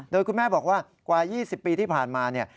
โดยคุณแม่บอกว่ากว่า๒๐ปีที่ผ่านมาเนี่ย